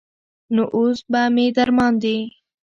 نو اوس به مې درباندې.